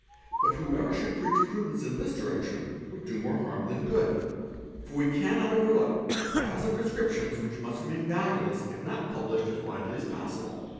But __ whoever should preach prudence in this direction would do more harm _ than good; for we cannot overlook the files of descriptions which must "Yemain valueless if not published as widely as possible.